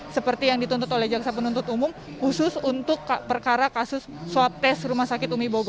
seperti yang dituntut oleh jaksa penuntut umum khusus untuk perkara kasus swab test